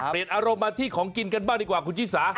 อารมณ์มาที่ของกินกันบ้างดีกว่าคุณชิสา